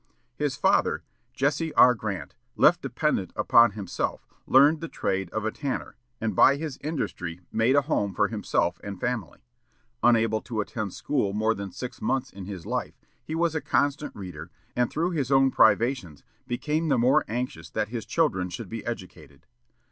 His father, Jesse R. Grant, left dependent upon himself, learned the trade of a tanner, and by his industry made a home for himself and family. Unable to attend school more than six months in his life, he was a constant reader, and through his own privations became the more anxious that his children should be educated.